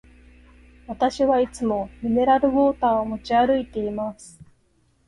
私はいつもミネラルウォーターを持ち歩いています。